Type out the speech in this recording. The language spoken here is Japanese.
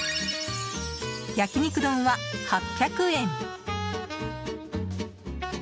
焼き肉丼は８００円。